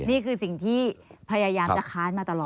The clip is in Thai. นี่คือสิ่งที่พยายามจะค้านมาตลอด